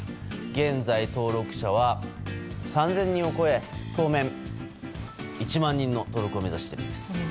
現在、登録者は３０００人を超え当面１万人の登録を目指しているんです。